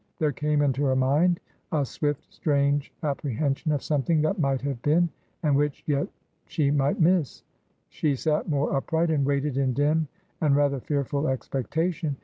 There came into her mind a swift, strange appre hension of something that might have been and which yet she might miss. She sat more upright and waited in dim and rather fearful expectation.